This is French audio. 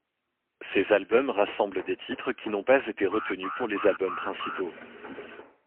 Ces albums rassemblent des titres qui n'ont pas été retenus pour les albums principaux.